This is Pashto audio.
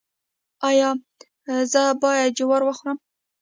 ایا زه باید جوار وخورم؟